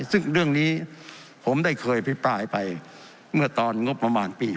ซึ่งเรื่องนี้ผมได้เคยพิปรายไปเมื่อตอนงบประมาณปี๖๐